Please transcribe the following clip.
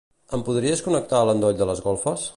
Em podries connectar l'endoll de les golfes?